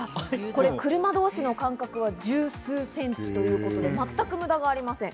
これ、車同士の間隔は１０数センチということで、全く無駄がありません。